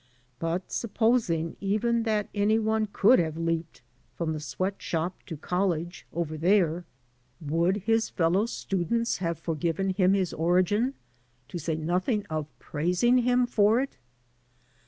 But supposing even that any one could have leaped from the sweat shop to college over there. HARVEY would his fellow students have forgiven him his origin, to say nothing of praising him for it?